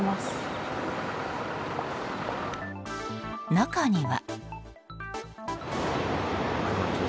中には。